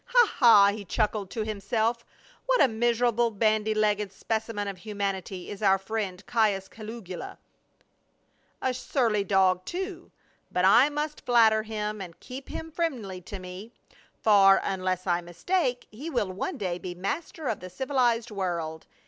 "Ha, ha," he chuckled to himself, "what a miser able, bandy legged specimen of humanity is our friend Caius Caligula ; a surly dog, too. But I must flatter him and keep him friendly to me, for, unless I mis take, he will one day be master of the civilized world.